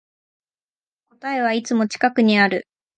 答えはいつも近くにある